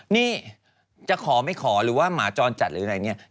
นี่จะขอไม่ขอหรือว่าหมาจรจัดหรืออะไรเนี่ย